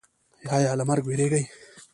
ایا له مرګ ویریږئ؟